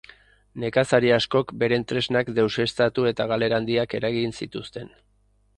Nekazari askok beren tresnak deuseztatu eta galera handiak eragin zituzten.